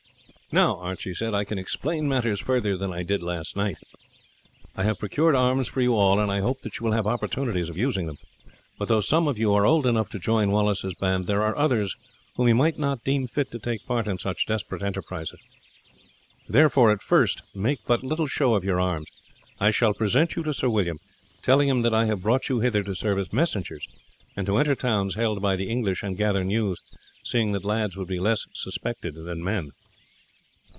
"Now," Archie said, "I can explain matters farther than I did last night. I have procured arms for you all, and I hope that you will have opportunities of using them. But though some of you are old enough to join Wallace's band, there are others whom he might not deem fit to take part in such desperate enterprises. Therefore at first make but little show of your arms. I shall present you to Sir William, telling him that I have brought you hither to serve as messengers, and to enter towns held by the English and gather news, seeing that lads would be less suspected than men.